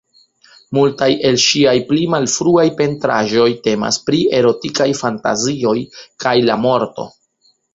Multaj el ŝiaj pli malfruaj pentraĵoj temas pri erotikaj fantazioj kaj la morto.